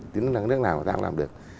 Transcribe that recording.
thì nước nào của ta cũng làm được